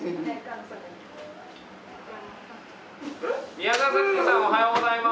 宮澤祥子さんおはようございます！